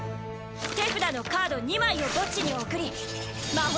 手札のカード２枚を墓地に送り魔法